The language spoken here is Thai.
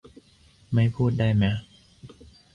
ไม่พูดได้มะ